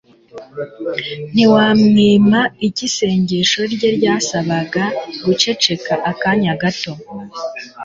ntiwamwima icyo isengesho rye ryasabaga guceceka akanya gato